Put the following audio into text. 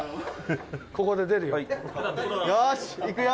ここで出るよ。